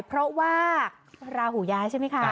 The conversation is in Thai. เพราะว่าราหูย้ายใช่ไหมคะ